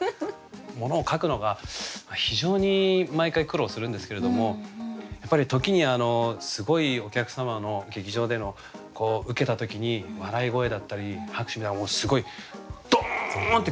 ものを書くのが非常に毎回苦労するんですけれどもやっぱり時にすごいお客様の劇場でのウケた時に笑い声だったり拍手がすごいどんってくる時があるんですよ